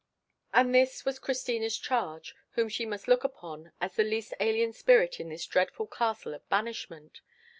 And this was Christina's charge, whom she must look upon as the least alien spirit in this dreadful castle of banishment!